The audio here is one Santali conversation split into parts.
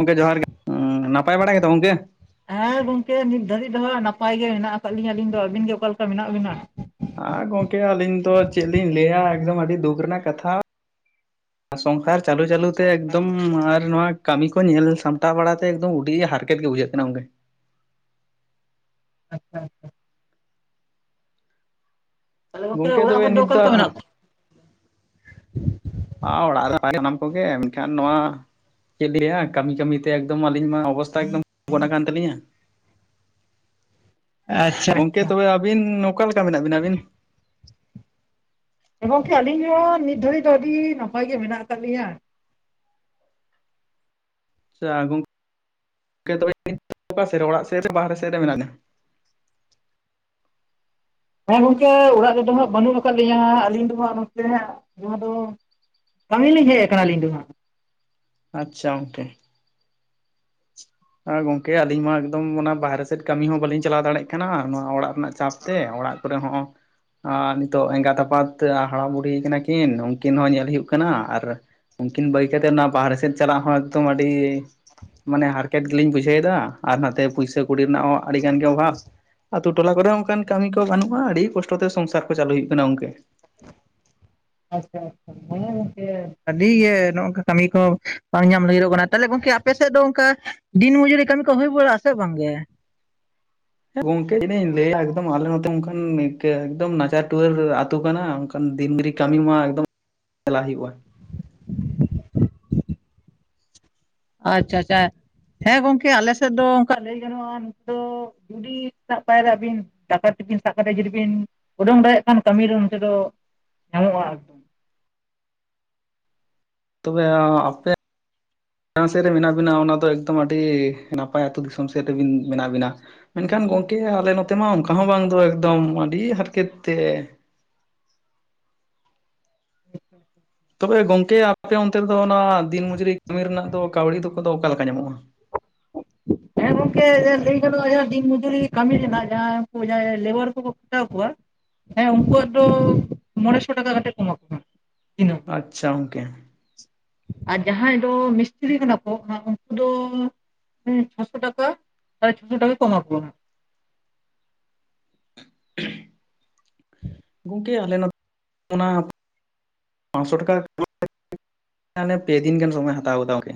ᱜᱚᱝᱠᱮ ᱡᱚᱦᱟᱨ ᱜᱮ, ᱩᱸ ᱱᱟᱯᱟᱭ ᱵᱟᱲᱟ ᱜᱮᱛᱚ ᱜᱚᱝᱠᱮ? ᱦᱮᱸ ᱜᱚᱝᱠᱮ ᱱᱤᱛ ᱫᱷᱟᱨᱤᱡ ᱫᱚ ᱦᱟᱸᱜ ᱱᱟᱯᱟᱭ ᱜᱮ ᱦᱮᱱᱟᱜ ᱠᱟᱜ ᱞᱤᱧᱟ ᱟᱞᱤᱧ ᱫᱚ᱾ ᱟᱵᱤᱱ ᱜᱮ ᱚᱠᱟ ᱞᱮᱠᱟ ᱢᱮᱱᱟᱜ ᱵᱤᱱᱟ? ᱟᱨ ᱜᱚᱝᱠᱮ ᱟᱞᱤᱧ ᱫᱚ ᱪᱮᱫ ᱞᱤᱧ ᱞᱟᱹᱭᱟ ᱮᱠᱫᱚᱢ ᱟᱰᱤ ᱫᱩᱠ ᱨᱮᱱᱟᱜ ᱠᱟᱛᱷᱟ ᱥᱚᱝᱠᱟᱨ ᱪᱟᱞᱩ ᱪᱟᱞᱩ ᱛᱮ ᱮᱠᱫᱚᱢ ᱼᱼ ᱦᱩᱸ ᱟᱨ ᱱᱚᱶᱟ ᱠᱟᱢᱤ ᱠᱚ ᱧᱮᱞ ᱥᱟᱢᱴᱟᱣ ᱵᱟᱲᱟ ᱛᱮ ᱮᱠᱫᱚᱢ ᱩᱰᱤ ᱦᱟᱨᱠᱮᱛ ᱜᱮ ᱵᱩᱡᱷᱟᱹᱜ ᱠᱟᱱᱟ ᱜᱚᱝᱠᱮ᱾ ᱟᱪᱪᱷᱟ᱾ ᱛᱟᱦᱚᱞᱮ ᱜᱚᱝᱠᱮ ᱚᱲᱟᱜ ᱦᱚᱲ ᱫᱚ ᱚᱠᱟ ᱞᱮᱠᱟ ᱢᱮᱱᱟᱜ ᱠᱚᱣᱟ? ᱟ ᱚᱲᱟᱜ ᱨᱮ ᱱᱟᱯᱟᱭ ᱜᱮ ᱥᱟᱱᱟᱢ ᱠᱚᱜᱮ ᱮᱱᱠᱷᱟᱱ ᱱᱚᱣᱟ ᱪᱮᱫ ᱞᱤᱧ ᱞᱟᱹᱭᱟ ᱠᱟᱹᱢᱤ ᱠᱟᱹᱢᱤ ᱛᱮ ᱮᱠᱫᱚᱢ ᱟᱞᱤᱧ ᱢᱟ ᱚᱵᱚᱥᱛᱟ [inaudible] ᱟᱠᱟᱱ ᱛᱟᱞᱤᱧᱟ᱾ ᱟᱪᱪᱷᱟ᱾ ᱜᱚᱝᱠᱮ ᱟᱪᱪᱷᱟ ᱛᱚᱵᱮ ᱟᱵᱤᱱ ᱚᱠᱟ ᱞᱮᱠᱟ ᱢᱮᱱᱟᱜ ᱵᱤᱱᱟ ᱟᱵᱤᱱ? ᱜᱚᱝᱠᱮ ᱟᱞᱤᱧ ᱦᱚᱸ ᱱᱤᱛ ᱫᱷᱟᱨᱤᱡ ᱫᱚ ᱟᱹᱰᱤ ᱱᱟᱯᱟᱭ ᱜᱮ ᱢᱮᱱᱟᱜ ᱠᱟᱜ ᱞᱤᱧᱟ᱾ ᱟᱪᱪᱷᱟ ᱜᱚᱝᱠᱮ ᱛᱚᱵᱮ [unintelligible] ᱚᱲᱟᱜ ᱥᱮᱫ ᱨᱮ ᱵᱟᱦᱨᱮ ᱥᱮᱫ ᱨᱮ ᱢᱮᱱᱟᱜ ᱵᱤᱱᱟᱹ? ᱵᱟᱝ ᱜᱚᱝᱠᱮ ᱚᱲᱟᱜ ᱨᱮᱫᱚ ᱦᱟᱸᱜ ᱵᱟᱱᱩᱜ ᱠᱟᱜ ᱞᱤᱧᱟᱹ ᱟᱹᱞᱤᱧ ᱫᱚ ᱦᱟᱸᱜ ᱱᱚᱛᱮ ᱡᱟᱦᱟᱸ ᱫᱚ ᱠᱟᱢᱤ ᱞᱤᱧ ᱦᱮᱡ ᱠᱟᱱᱟ ᱟᱞᱤᱧ ᱫᱚ ᱦᱟᱸᱜ᱾ ᱟᱪᱪᱷᱟ ᱚᱝᱴᱮ᱾ ᱟ ᱜᱚᱝᱠᱮ ᱟᱞᱤᱧ ᱢᱟ ᱮᱠᱫᱚᱢ ᱚᱱᱟ ᱵᱟᱦᱮᱨᱮ ᱥᱮᱫ ᱠᱟᱢᱤ ᱦᱚᱸ ᱵᱟᱹᱞᱤᱧ ᱪᱟᱞᱟᱣ ᱫᱟᱲᱮᱜ ᱠᱟᱱᱟ ᱱᱚᱣᱟ ᱚᱲᱟᱜ ᱨᱮᱱᱟᱜ ᱪᱟᱯ ᱛᱮ ᱚᱲᱟᱜ ᱠᱚᱨᱮ ᱦᱚᱸ ᱟᱸ ᱱᱤᱛᱚᱜ ᱮᱸᱜᱟᱛ ᱟᱯᱟᱛ ᱦᱟᱲᱟᱢ ᱵᱩᱲᱦᱤ ᱠᱟᱱᱟ ᱠᱤᱱ ᱩᱱᱠᱤᱱ ᱦᱚᱸ ᱧᱮᱞ ᱦᱩᱭᱩᱜ ᱠᱟᱱᱟ ᱟᱨ ᱩᱱᱠᱤᱱ ᱵᱟᱹᱜᱤ ᱠᱟᱛᱮᱫ ᱚᱱᱟ ᱵᱟᱦᱨᱮ ᱥᱮᱫ ᱪᱟᱞᱟᱜ ᱦᱚᱸ ᱮᱠᱫᱚᱢ ᱟᱹᱰᱤ ᱢᱟᱱᱮ ᱦᱟᱨ ᱠᱮᱛ ᱜᱮᱞᱤᱧ ᱵᱩᱡᱷᱟᱹᱣᱮ ᱫᱟ ᱟᱨ ᱱᱟᱛᱮ ᱯᱩᱭᱥᱟᱹ ᱠᱩᱲᱤ ᱨᱮᱱᱟᱜ ᱦᱚᱸ ᱟᱹᱰᱤ ᱜᱟᱱ ᱜᱮ ᱚᱵᱷᱟᱵ᱾ ᱟᱛᱩ ᱴᱚᱞᱟ ᱠᱚᱨᱮ ᱚᱱᱠᱟᱱ ᱠᱟᱹᱢᱤ ᱠᱚ ᱵᱟᱹᱱᱩᱜᱼᱟ ᱟᱹᱰᱤ ᱠᱚᱥᱴᱚ ᱛᱮ ᱥᱚᱝᱥᱟᱨ ᱠᱚ ᱪᱟᱹᱞᱩᱭ ᱦᱩᱭᱩᱜ ᱠᱟᱱᱟ ᱜᱳᱝᱠᱮ᱾ ᱟᱪᱪᱷᱟ ᱟᱪᱪᱷᱟ ᱦᱮᱸ ᱜᱳᱝᱠᱮ ᱟᱹᱰᱤ ᱜᱮ ᱱᱚᱜᱼᱚᱝᱠᱟ ᱠᱟᱹᱢᱤ ᱠᱚ ᱵᱟᱝ ᱧᱟᱢ ᱞᱟᱹᱜᱤᱫᱚᱜ ᱠᱟᱱᱟ, ᱛᱟᱦᱚᱞᱮ ᱜᱚᱝᱠᱮ ᱟᱯᱮ ᱥᱮᱫ ᱫᱚ ᱚᱱᱠᱟ ᱫᱤᱱ ᱢᱚᱡᱩᱨᱤ ᱠᱟᱹᱢᱤ ᱠᱚ ᱦᱩᱭ ᱵᱟᱲᱟᱜᱼᱟ ᱥᱮ ᱵᱟᱝᱜᱮ? ᱜᱚᱝᱠᱮ ᱛᱤᱱᱟ. ᱜ ᱞᱟᱹᱭᱟ ᱮᱠᱫᱚᱢ ᱟᱞᱮ ᱱᱚᱛᱮ ᱚᱱᱠᱟᱱ ᱮᱠᱫᱚᱢ ᱱᱟᱪᱟᱨ ᱴᱩᱣᱟᱹᱨ ᱟᱹᱛᱩ ᱠᱟᱱᱟ ᱠᱟᱱ ᱫᱤᱱ ᱨᱮ ᱠᱟᱢᱤ ᱢᱟ ᱮᱠᱫᱚᱢ ᱪᱟᱞᱟ ᱦᱩᱭᱩᱜᱼᱟ᱾ ᱟᱪᱪᱷᱟ ᱟᱪᱪᱷᱟ ᱦᱮᱸ ᱜᱚᱝᱠᱮ ᱟᱞᱮᱥᱮᱫ ᱫᱚ ᱚᱱᱠᱟ ᱞᱟᱹᱭ ᱜᱟᱱᱚᱜᱼᱟ ᱱᱤᱛ ᱫᱚ ᱡᱩᱫᱤ ᱥᱮᱛᱟᱜ ᱯᱟᱭᱨ ᱨᱮ ᱟᱹᱵᱤᱱ ᱫᱟᱠᱟ ᱴᱤᱯᱤᱱ ᱥᱟᱵ ᱠᱟᱛᱮ ᱡᱩᱫᱤ ᱵᱤᱱ ᱳᱰᱳᱝ ᱫᱟᱲᱮᱜ ᱠᱷᱟᱱ ᱠᱟᱹᱢᱤ ᱫᱚ ᱱᱚᱛᱮ ᱫᱚ ᱧᱟᱢᱚᱜᱼᱟ, ᱛᱚᱵᱮ ᱟᱯᱮ ᱡᱟᱸᱦᱟ ᱥᱮᱫ ᱨᱮ ᱢᱮᱱᱟᱜ ᱵᱤᱱᱟ ᱚᱱᱟ ᱫᱚ ᱮᱠᱫᱚᱢ ᱟᱹᱰᱤ ᱱᱟᱯᱟᱭ ᱟᱹᱛᱩ ᱫᱤᱥᱚᱢ ᱥᱮᱫ ᱨᱮᱵᱤᱱ ᱢᱮᱱᱟᱜ ᱵᱤᱱᱟ᱾ ᱢᱮᱱᱠᱷᱟᱱ ᱜᱚᱝᱠᱮ ᱟᱞᱮ ᱱᱚᱛᱮ ᱢᱟ ᱚᱱᱠᱟ ᱦᱚᱸ ᱵᱟᱝ ᱫᱚ ᱮᱠᱫᱚᱢ ᱟᱹᱰᱤ ᱦᱟᱨᱠᱮᱛ ᱛᱮ ᱦᱩᱸ [inaudible] ᱛᱚᱵᱮ ᱜᱚᱝᱠᱮ ᱟᱯᱮ ᱚᱱᱛᱮᱫᱚ ᱚᱱᱟ ᱫᱤᱱ ᱢᱚᱡᱩᱨᱤ ᱠᱟᱹᱢᱤ ᱨᱮᱱᱟᱜ ᱫᱚ ᱠᱟᱹᱣᱰᱤ ᱫᱚᱠᱚ ᱫᱚ ᱚᱠᱟᱮ ᱞᱮᱠᱟ ᱧᱟᱢᱚᱜᱼᱟ? ᱦᱮᱸ ᱜᱚᱝᱠᱮ ᱞᱟᱹᱭ ᱜᱟᱱᱚᱜᱼᱟ ᱫᱤᱱ ᱢᱡᱩᱨᱤ ᱠᱟᱹᱢᱤ ᱨᱮᱱᱟᱜ ᱡᱟᱦᱟᱸᱭ ᱡᱟᱦᱟᱸ ᱞᱮᱵᱟᱨ ᱠᱚᱠᱚ ᱠᱷᱴᱟᱣ ᱠᱚᱣᱟ, ᱦᱮᱸ ᱩᱱᱠᱩᱣᱟᱜ ᱫᱚ ᱢᱚᱬᱮᱥᱚ ᱴᱟᱠᱟ ᱠᱟᱛᱮᱫ ᱠᱚᱢᱟ ᱠᱚ ᱠᱟᱱᱟ ᱫᱤᱱᱟᱹᱢ᱾ ᱟᱪᱪᱷᱟ ᱜᱳᱝᱠᱮ, ᱟᱨ ᱡᱟᱦᱟᱸᱭ ᱫᱚ ᱢᱤᱥᱛᱨᱤ ᱠᱟᱱᱟ ᱠᱚ ᱩᱱᱠᱩ ᱫᱚ ᱦᱩᱸ ᱪᱷᱚᱥᱚ ᱴᱟᱠᱟ ᱥᱟᱲᱮ ᱪᱷᱚᱥᱚ ᱴᱠᱠᱟ ᱠᱚ ᱮᱢᱟᱠᱚ ᱠᱟᱱᱟ᱾ [unintelligible] ᱜᱚᱢᱠᱮ ᱟᱞᱮ ᱱᱚᱛᱮ ᱚᱱᱟ ᱯᱟᱸᱥᱥᱳ ᱴᱟᱠᱟ [unintelligible] ᱦᱟᱸᱱᱮ ᱯᱮ ᱫᱤᱱ ᱜᱟᱱ ᱥᱚᱢᱚᱭ ᱦᱟᱛᱟᱣ ᱠᱟᱫᱟ ᱜᱚᱢᱠᱮ᱾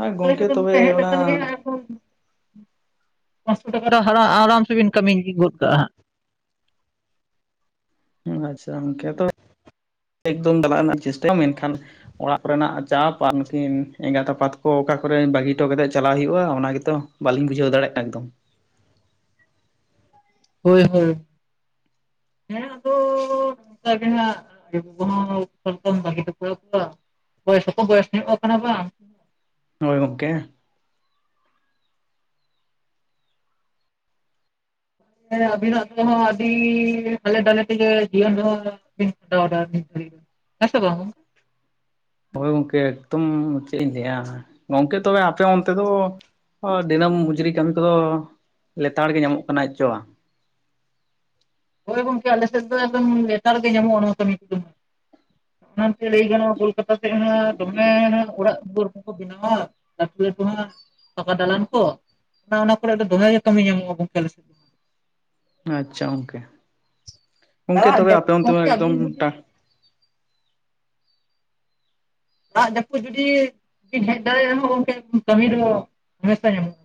ᱟᱨ ᱜᱚᱝᱠᱮ ᱛᱚᱵᱮ [unintelligible] ᱦᱮᱡ ᱚᱱᱟ ᱞᱮᱠᱷᱟᱱ ᱜᱮ ᱟᱨᱚ [unintelligible] ᱯᱟᱸᱥᱥᱚ ᱴᱟᱠᱟ ᱫᱚ ᱟᱨᱟᱢ ᱥᱮᱵᱤᱱ ᱠᱟᱹᱢᱤ ᱤᱫᱤ ᱜᱚᱫ ᱠᱟᱜᱼᱟ ᱦᱟᱸᱜ᱾ ᱟᱪᱪᱷᱟ ᱜᱚᱝᱠᱮ ᱛᱚᱵᱮ ᱮᱠᱫᱚᱢ ᱪᱟᱞᱟᱜ ᱨᱮᱱᱟᱜ ᱤᱧ ᱪᱮᱥᱴᱟᱭᱟ ᱢᱮᱱᱠᱷᱟᱱ ᱚᱲᱟᱜ ᱠᱚᱨᱮᱱᱟᱜ ᱪᱟᱯ ᱟᱨ ᱱᱩᱠᱤᱱ ᱮᱸᱜᱟᱛ ᱟᱯᱟᱛ ᱠᱚ ᱚᱠᱟ ᱠᱚᱨᱮ ᱵᱟᱹᱜᱤ ᱦᱚᱴᱚ ᱠᱟᱛᱮᱜ ᱪᱟᱞᱟᱜ ᱦᱩᱭᱩᱜᱼᱟ ᱚᱱᱟᱜᱛᱚ ᱵᱟᱞᱤᱧ ᱵᱩᱡᱷᱟᱹᱣ ᱫᱟᱲᱮᱜ ᱮᱠᱚᱢ ᱦᱳᱭ ᱦᱳᱭ ᱦᱮᱸ ᱟᱫᱚ ᱚᱱᱝᱠᱟ ᱜᱮ ᱦᱟᱸᱜ ᱟᱭᱳ ᱵᱟᱵᱟ ᱦᱚᱸ ᱚᱠᱟᱞᱮᱠᱟᱢ ᱵᱟᱹᱜᱤ ᱦᱚᱴᱚ ᱟᱠᱚᱣᱟ, ᱵᱚᱭᱮᱥ ᱦᱚᱸᱠᱚ ᱵᱚᱭᱮᱥ ᱱᱚᱜ ᱠᱟᱱᱟ ᱵᱟᱝ? ᱦᱳᱭ ᱜᱚᱝᱠᱮ ᱦᱮᱸ ᱟᱵᱤᱱᱟᱜ ᱛᱮᱦᱚᱸ ᱟᱹᱰᱤᱻ ᱦᱟᱞᱮ ᱰᱟᱞᱮ ᱛᱮᱜᱮ ᱡᱤᱭᱚᱱ ᱫᱚ [inaudible] ᱦᱮᱸ ᱥᱮ ᱵᱟᱝ ᱦᱳᱭ ᱜᱚᱝᱠᱮ ᱮᱠᱫᱚᱢ ᱪᱮᱫ ᱤᱧ ᱞᱟᱹᱭᱟᱢᱟ, ᱜᱚᱝᱠᱮ ᱛᱚᱵᱮ ᱟᱯᱮ ᱚᱱᱛᱮ ᱫᱚ ᱦᱳᱭ ᱫᱤᱱᱟᱹᱢ ᱢᱩᱡᱨᱤ ᱠᱟᱹᱢᱤ ᱠᱚᱫᱚ, ᱞᱮᱛᱟᱲ ᱜᱮ ᱧᱟᱢᱚᱜ ᱠᱟᱱᱟ ᱪᱮᱫ ᱪᱚ ᱵᱟᱝ? ᱦᱳᱭ ᱜᱚᱝᱠᱮ ᱟᱞᱮ ᱥᱮᱫ ᱫᱚ ᱮᱠᱫᱚᱢ ᱞᱮᱛᱟᱲ ᱜᱮ ᱧᱟᱢᱚᱜᱼᱟ ᱚᱱᱟ ᱠᱟ. ᱢᱤ ᱠᱚᱫᱚ [inaudible] ᱚᱱᱟ ᱠᱷᱟᱹᱛᱤᱨ ᱞᱟᱹᱭ ᱜᱟᱱᱚᱜᱼᱟ ᱠᱳᱞᱠᱟᱛᱟ ᱥᱮᱫ ᱦᱟᱸᱜ ᱫᱚᱢᱮ ᱦᱟᱸᱜ ᱚᱲᱟᱜ ᱫᱩᱣᱟᱹᱨ ᱠᱚᱠᱚ ᱵᱮᱱᱟᱣᱟ, ᱞᱟᱹᱴᱩ ᱞᱟᱹᱴᱩ ᱦᱟᱸᱜ ᱯᱟᱠᱟ ᱫᱟᱞᱟᱱ ᱠᱚ, ᱚᱱᱟ ᱚᱱᱟ ᱠᱚᱨᱮ ᱫᱚ ᱫᱚᱢᱮ ᱜᱮ ᱠᱟᱹᱢᱤ ᱧᱟᱢᱚᱜᱼᱟ ᱜᱚᱝᱠᱮ ᱟᱞᱮ ᱥᱮᱫ ᱫᱚ ᱟᱪᱪᱷᱟ ᱜᱚᱝᱠᱮ, ᱜᱚᱝᱠᱮ ᱫᱟᱜ ᱛᱚᱵᱮ ᱟᱯᱮ ᱡᱟᱹᱯᱩᱫ ᱜᱚᱝᱠᱮ ᱚᱱᱛᱮᱢᱟ ᱮᱠᱫᱚᱢ ᱟᱹᱵᱤᱱ ᱡᱩᱫᱤ ᱴᱟ ᱫᱟᱜ ᱡᱟᱯᱩᱫ ᱡᱩᱫᱤ ᱵᱤᱱ ᱦᱮᱡ ᱫᱟᱲᱮᱭᱟᱜ ᱨᱮᱦᱚᱸ ᱜᱚᱝᱠᱮ ᱠᱟᱢᱤ ᱫᱚ ᱦᱟᱢᱮᱥᱟ ᱧᱟᱢᱚᱜᱼᱟ᱾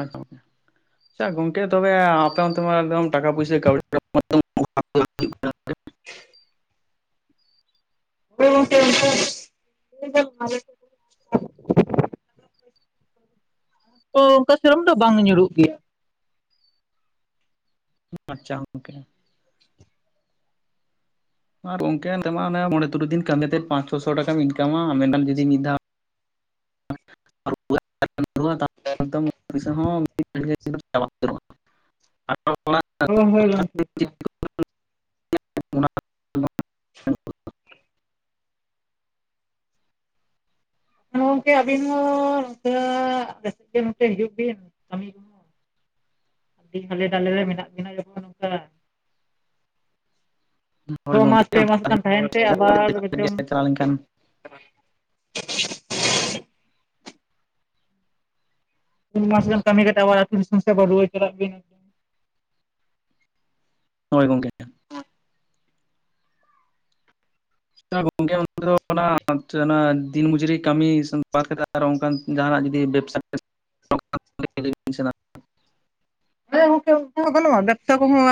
ᱟᱪᱪᱷᱟ, [inaudible] ᱟᱪᱪᱷᱟ ᱜᱚᱝᱠᱮ ᱛᱚᱵᱮ ᱟᱯᱮ ᱚᱱᱛᱮ ᱢᱟ ᱮᱠᱫᱚᱢ ᱴᱟᱠᱟ ᱯᱚᱭᱥᱟᱹ ᱠᱟᱹᱣᱰᱤ [inaudible] [inaudible] [unintelligible] [unintelligible] ᱚᱱᱠᱟ ᱥᱮᱨᱚᱢ ᱫᱚ ᱵᱟᱝ ᱧᱩᱨᱩᱜ ᱜᱮᱭᱟ᱾ ᱟᱪᱪᱷᱟ ᱜᱚᱝᱠᱮ᱾ ᱟᱨ ᱜᱚᱝᱠᱮ ᱱᱚᱛᱮ ᱢᱟ ᱚᱱᱮ ᱢᱚᱬᱮ, ᱛᱩᱨᱩᱭ ᱫᱤᱱ ᱠᱟᱹᱢᱤ ᱟᱛᱮᱫ ᱯᱟᱸᱪ, ᱪᱷᱚᱥᱚ ᱴᱟᱠᱟᱢ ᱤᱱᱠᱟᱢᱟ ᱢᱮᱱᱠᱷᱟᱱ ᱡᱩᱫᱤ ᱢᱤᱫ ᱫᱷᱟᱣ [unintelligible] ᱮᱠᱫᱚᱢ ᱪᱟᱵᱟ ᱩᱛᱟᱹᱨᱚᱜ-ᱟ᱾ ᱟᱨᱦᱚᱸ ᱦᱳᱭ ᱦᱳᱭ ᱜᱚᱝᱠᱮ [inaudible] ᱜᱚᱝᱠᱮ ᱟᱹᱵᱤᱱ ᱦᱚᱸ ᱱᱚᱛᱮ ᱟᱞᱮ ᱥᱮᱱ ᱜᱮ ᱱᱚᱛᱮ ᱦᱤᱡᱩᱜ ᱵᱤᱱ, ᱠᱟᱹᱢᱤ [inaudible] ᱠᱟᱴᱤᱡ ᱦᱟᱞᱮ ᱰᱟᱞᱮ ᱨᱮ ᱢᱮᱱᱟᱜ ᱵᱤᱱᱟ ᱡᱚᱠᱷᱚᱱ ᱱᱚᱝᱠᱟ ᱪᱷᱚ ᱢᱟᱥ, ᱯᱮ ᱢᱟᱥ ᱜᱟᱱ ᱛᱟᱦᱮᱸᱱ ᱛᱮ ᱟᱵᱟᱨ [inaudible] ᱪᱟᱞᱟᱣ ᱞᱮᱱᱠᱷᱟᱱ ᱯᱳᱱ ᱢᱟᱥᱮ ᱜᱟᱱ ᱠᱟᱹᱢᱤ ᱠᱟᱛᱮ ᱟᱵᱟᱨ ᱟᱛᱩ ᱫᱤᱥᱚᱢ ᱥᱮᱫ ᱟᱵᱟᱨ ᱨᱩᱣᱟᱹᱲ ᱪᱟᱞᱟᱜ ᱵᱤᱱ [inaudible] ᱦᱳᱭ ᱜᱚᱝᱠᱮ᱾ ᱛᱟ ᱜᱚᱝᱠᱮ [inaudible] ᱚᱱᱟ ᱫᱤᱱ ᱢᱚᱡᱩᱨᱤ ᱠᱟᱹᱢᱤ ᱵᱟᱫ ᱠᱟᱛᱮ ᱟ ᱟᱨ ᱚᱝᱠᱟᱱ ᱡᱟᱦᱟᱸᱱᱟᱜ ᱡᱩᱫᱤ ᱵᱮᱵᱽᱥᱟ [inaudible] ᱦᱮᱸ ᱜᱚᱝᱠᱮ ᱚᱱᱠᱟ ᱦᱚᱸ ᱜᱟᱱᱚᱜ-ᱟ, ᱵᱮᱵᱥᱟ ᱠᱚᱦᱚᱸ